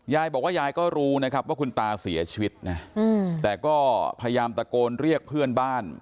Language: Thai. ยายบอกว่ายายก็รู้นะครับว่าคุณตาเสียชีวิตนะแต่ก็พยายามตะโกนเรียกเพื่อนบ้าน